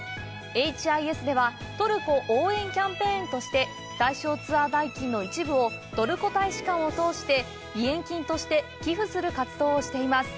ＨＩＳでは、トルコ応援キャンペーンとして、対象ツアー代金の一部をトルコ大使館を通して、義援金として寄付する活動をしています。